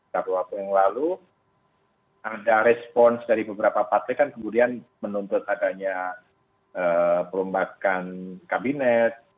satu waktu yang lalu ada respons dari beberapa partai kan kemudian menuntut adanya perombakan kabinet